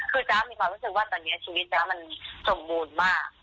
คือจ๊ะมีความรู้สึกว่าตอนนี้ชีวิตจ๊ะมันสมบูรณ์มาก